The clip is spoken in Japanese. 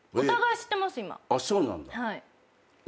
そうなんだ。